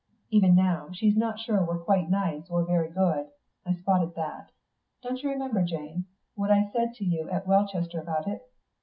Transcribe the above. Even now, she's not sure we're quite nice or very good. I spotted that.... Don't you remember, Jane, what I said to you at Welchester about it?